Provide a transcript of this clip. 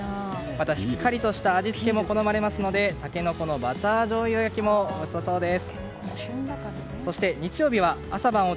また、しっかりとした味付けも好まれますのでタケノコのバターしょうゆ焼きもよさそうです。